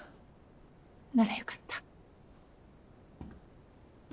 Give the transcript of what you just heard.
ならよかった。